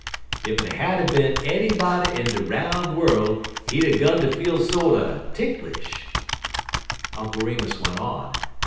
"Ef it had er bin anybody in de roun' worl' he'd er 'gun ter feel sorter ticklish," Uncle Remus went on.